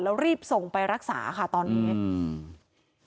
แล้วรีบส่งไปรักษาค่ะตอนนี้อืม